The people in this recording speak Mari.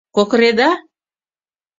Кокыреда?